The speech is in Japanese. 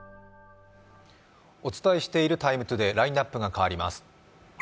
お伝えしている「ＴＩＭＥ，ＴＯＤＡＹ」、ラインナップが変わります。